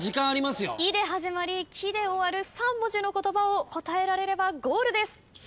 「い」で始まり「き」で終わる３文字の言葉を答えられればゴールです。